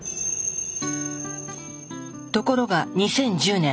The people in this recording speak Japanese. ところが２０１０年